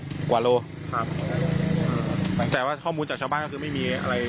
กว่าโลครับแต่ว่าข้อมูลจากชาวบ้านก็คือไม่มีอะไร